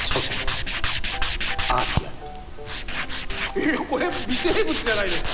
えっいやこれ微生物じゃないですか！